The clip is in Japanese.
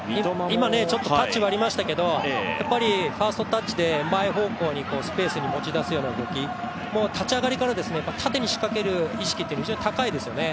今、ちょっとタッチがありましたけれどもやっぱりファーストタッチで前方向にスペースに持ち出すようなとき立ち上がりから縦に仕掛ける意識って非常に高いですよね。